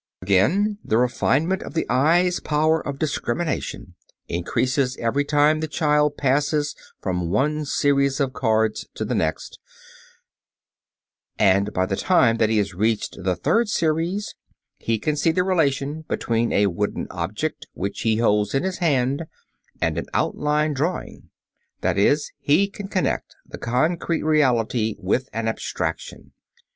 Again, the refinement of the eye's power of discrimination increases every time the child passes from one series of cards to the next, and by the time that he has reached the third series, he can see the relation between a wooden object, which he holds in his hand, and an outline drawing; that is, he can connect the concrete reality with an abstraction.